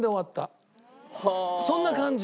そんな感じ。